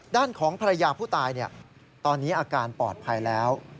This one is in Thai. ด้านของภรรยาผู้ตายตอนนี้อาการปลอดภัยแล้ว